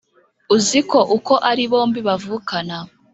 uziko uko ari bombi bavukana